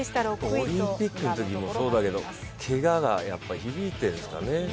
オリンピックのときもそうだけど、けがが響いているのかね。